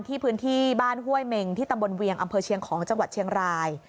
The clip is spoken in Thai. พื้นที่บ้านห้วยเมงที่ตำบลเวียงอำเภอเชียงของจังหวัดเชียงราย